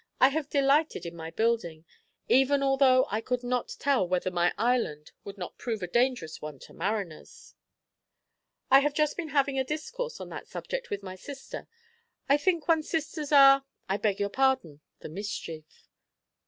I have delighted in my building; even although I could not tell whether my island would not prove a dangerous one to mariners." "I have just been having a discourse on that subject with my sister. I think one's sisters are I beg your pardon! the mischief.